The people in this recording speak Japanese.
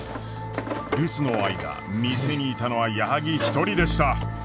留守の間店にいたのは矢作一人でした。